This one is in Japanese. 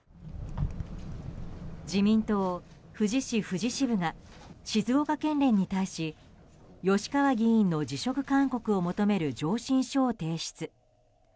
自民党富士市富士支部が静岡県連に対し吉川議員の辞職勧告を求める上申書を提出。